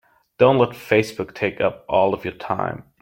Don't let Facebook take up all of your time.